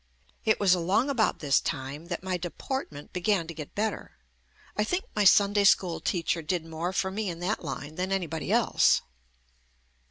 It was along about this time that my deportment began to get better. I think my Sunday School teacher did more for me in that line than anybody else.